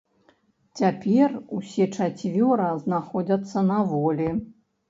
Цяпер усе чацвёра знаходзяцца на волі.